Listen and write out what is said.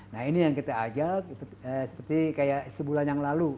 nah ini yang kita ajak seperti kayak sebulan yang lalu